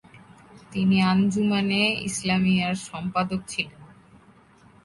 তিনি আঞ্জুমানে ইসলামিয়ার সম্পাদক ছিলেন।